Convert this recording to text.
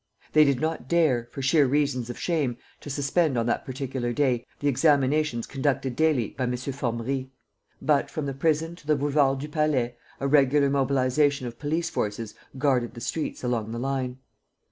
They did not dare, for sheer reasons of shame, to suspend on that particular day the examinations conducted daily by M. Formerie; but, from the prison to the Boulevard du Palais, a regular mobilization of police forces guarded the streets along the line.